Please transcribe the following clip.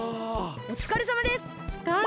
おつかれさまです！